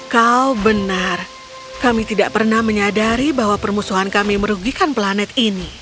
kau benar kami tidak pernah menyadari bahwa permusuhan kami merugikan planet ini